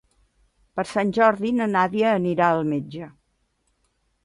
Per Sant Jordi na Nàdia anirà al metge.